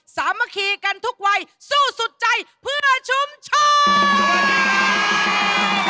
สามัคคีกันทุกวัยสู้สุดใจเพื่อชุมชน